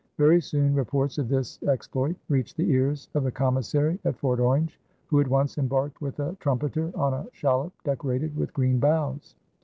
Very soon reports of this exploit reached the ears of the commissary at Fort Orange, who at once embarked with a trumpeter on a shallop decorated with green boughs.